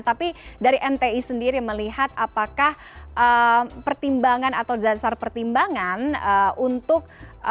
tapi dari mti sendiri melihat apakah pertimbangan atau dasar pertimbangan untuk